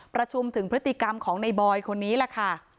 ประชุมถึงพฤติกรรมของในบอยคนนี้แหละค่ะ